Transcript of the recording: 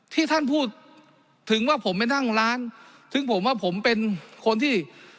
ที่ท่านพูดถึงว่าผมไปนั่งร้านถึงผมว่าผมเป็นคนที่